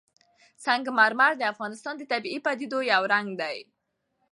سنگ مرمر د افغانستان د طبیعي پدیدو یو رنګ دی.